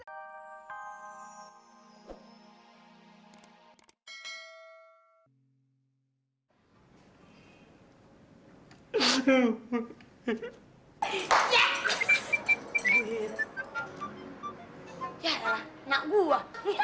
yah lah enak gua